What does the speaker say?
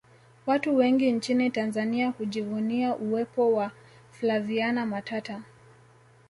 watu wengi nchini tanzania hujivunia uwepo wa flaviana matata